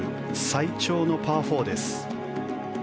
最長のパー４です。